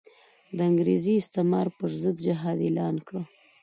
د انګریزي استعمار پر ضد جهاد اعلان کړ.